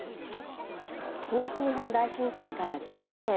東日本大震災から１２年。